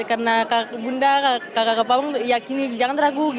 karena kak bunda kak kak pakpam yakin jangan ragu